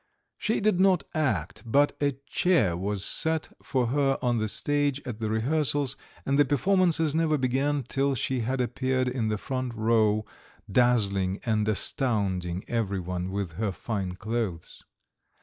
She did not act, but a chair was set for her on the stage at the rehearsals, and the performances never began till she had appeared in the front row, dazzling and astounding everyone with her fine clothes.